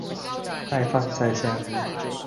再放在下面